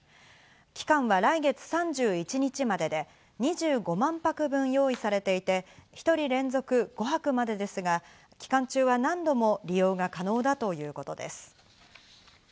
期間は来月３１日までで、２５万泊分用意されていて、１人連続５泊までですが、期間中は何度も利用が可能だということです。